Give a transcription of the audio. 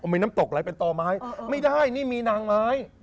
มีน้ำตกไหลเป็นต่อไม้ไม่ได้นี่มีนางไม้